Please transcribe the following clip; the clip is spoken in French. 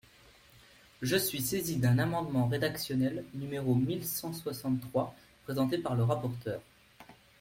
Je suis saisi d’un amendement rédactionnel, numéro mille cent soixante-trois, présenté par le rapporteur.